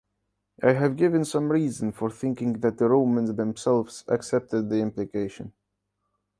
I have given some reasons for thinking that the Romans themselves accepted the implication.